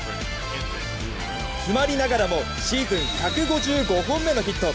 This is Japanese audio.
詰まりながらもシーズン１５５本目のヒット。